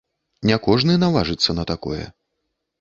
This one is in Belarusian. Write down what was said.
Не кожны наважыцца на такое.